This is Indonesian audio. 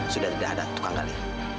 sudah tidak ada tukang kali